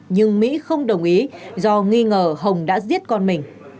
nhưng mỹ không đồng ý do nghi ngờ hồng đã giết con mình